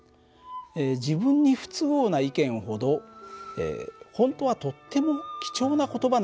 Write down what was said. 自分に不都合な意見ほど本当はとっても貴重な言葉なのかもしれませんよ。